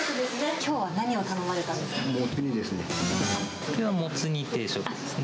きょうは何を頼まれたんですもつ煮ですね。